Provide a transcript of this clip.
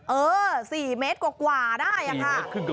เออ๔เมตรกว่าได้ค่ะ